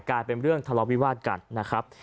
กลายเป็นเรื่องทะเลาะวิวาดกัด